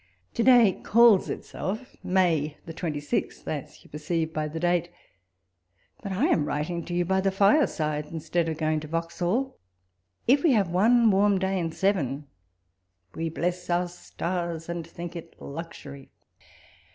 To day calls itself May the 26th, as you per ceive by the date ; but I am writing to you by the fire side, instead of going to Vauxhall." If we have one warm day in seven, " we bless our stars, and think it luxury."